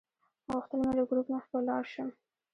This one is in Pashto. غوښتل مې له ګروپ مخکې لاړ شم.